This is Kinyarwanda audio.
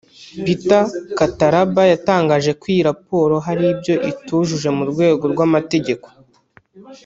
Peter Katalaba yatangaje ko iyi raporo hari ibyo itujuje mu rwego rw’amategeko